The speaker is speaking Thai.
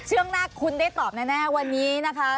ช่วงหน้าคุณได้ตอบแน่วันนี้นะคะ